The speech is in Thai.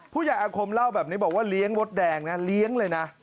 อาคมเล่าแบบนี้บอกว่าเลี้ยงมดแดงนะเลี้ยงเลยนะ